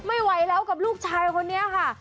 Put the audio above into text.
ไม่ไหวแล้วกับลูกชายคนนี้ค่ะ